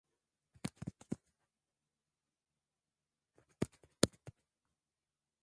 na kemikali zilizo na oksidi kv ozoni pia zinaweza kutengeneza